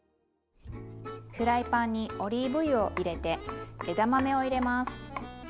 フライパンにオリーブ油を入れて枝豆を入れます。